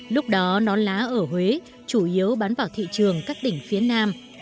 lúc đó nón lá ở huế chủ yếu bán vào thị trường các tỉnh phía nam